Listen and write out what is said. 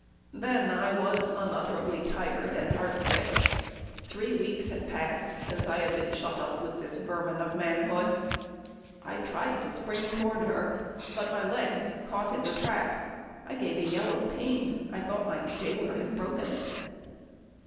Then, I was unutterably tired and heartsick. Three weeks had passed since I had been shut up with this vermin of manhood. I tried to spring toward her, but my leg caught in the trap. I gave a yell of pain. I thought my jailer had broken it.